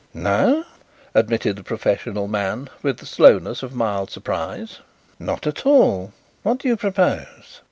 "No," admitted the professional man, with the slowness of mild surprise. "Not at all. What do you propose?"